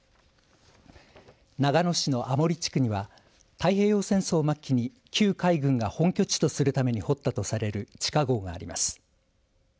長野市の安茂里地区には太平洋戦争末期に旧海軍が本拠地とするために掘ったとされる地下ごうがあります。